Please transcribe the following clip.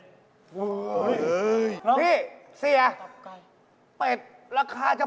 ทับแก่